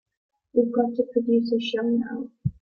We've got to produce a show now.